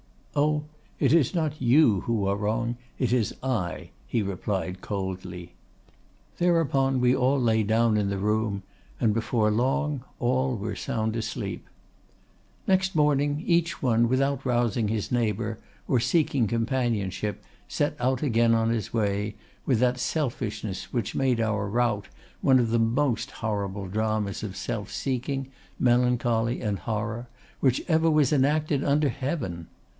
"'Oh! it is not you who are wrong, it is I!' he replied coldly. "Thereupon we all lay down in the room, and before long all were sound asleep. "Next morning each one, without rousing his neighbor or seeking companionship, set out again on his way, with that selfishness which made our rout one of the most horrible dramas of self seeking, melancholy, and horror which ever was enacted under heaven.